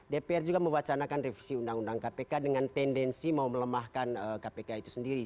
dpr juga mewacanakan revisi undang undang kpk dengan tendensi mau melemahkan kpk itu sendiri